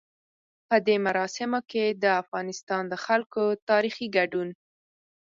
په دې مراسمو کې د افغانستان د خلکو تاريخي ګډون.